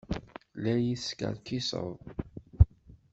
La yi-teskerkiseḍ?